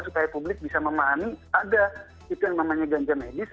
supaya publik bisa memahami ada itu yang namanya ganja medis